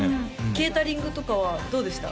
ケータリングとかはどうでした？